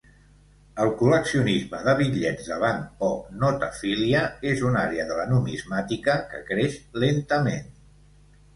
El col·leccionisme de bitllets de banc, o notafília, és una àrea de la numismàtica que creix lentament.